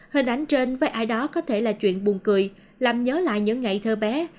hình ảnh trên với ai đó có thể là chuyện buồn cười làm nhớ lại những ngày thơ bé